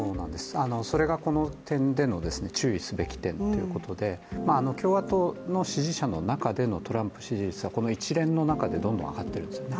それがこの点での注意すべき点ということで共和党の支持者の中でのトランプ支持率はこの一連の中でどんどん上がっているんですね。